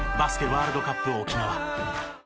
ワールドカップ沖縄。